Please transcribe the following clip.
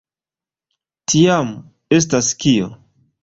Tiam, estas kio?